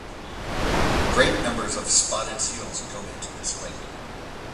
Great numbers of spotted seals go into this lake.